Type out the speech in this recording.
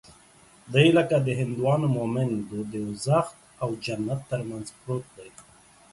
دى لکه د هندوانو مومن د دوږخ او جنت تر منځ پروت دى.